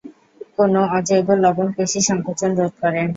কোন অজৈব লবণ পেশি সঙ্কোচন রোধ করে?